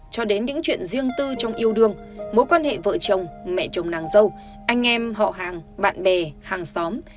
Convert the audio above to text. cho đến những chuyện riêng tư trong yêu đương mối quan hệ vợ chồng mẹ chồng nàng dâu anh em họ hàng bạn bè hàng xóm